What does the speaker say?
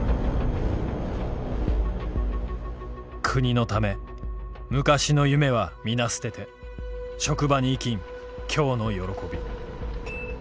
「くにの為昔の夢は皆すてて職場に生きん今日の喜び」。